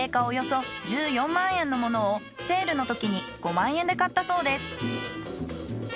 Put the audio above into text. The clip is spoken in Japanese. およそ１４万円のものをセールのときに５万円で買ったそうです。